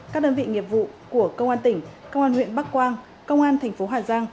các đơn vị nghiệp vụ của công an tỉnh công an huyện bắc quang công an thành phố hà giang